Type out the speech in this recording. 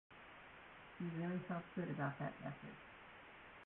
We really felt good about that record.